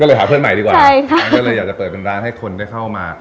ก็เลยหาเพื่อนใหม่ดีกว่าใช่ค่ะงั้นก็เลยอยากจะเปิดเป็นร้านให้คนได้เข้ามา